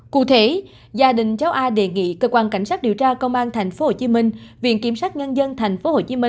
cụ thể gia đình cháu a đề nghị cơ quan cảnh sát điều tra công an tp hcm viện kiểm sát nhân dân tp hcm